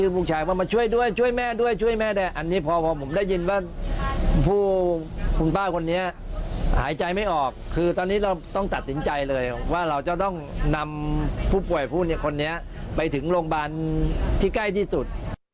ผู้ป่วยคนนี้ไปถึงโรงพยาบาลที่ใกล้ที่สุด